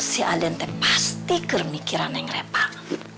si aden pasti kermikiran yang repah